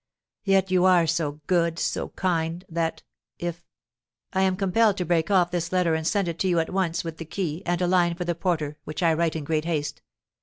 Yet you are so good, so kind, that if I am compelled to break off this letter and send it to you at once, with the key, and a line for the porter, which I write in great haste.